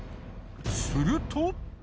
すると。